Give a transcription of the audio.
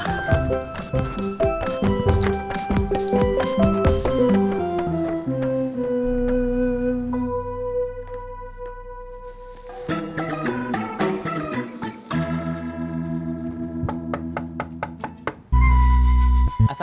aduh ibaugh perempuan apa